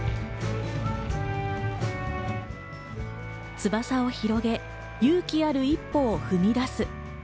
翼を広げ、勇気ある一歩を踏み出す。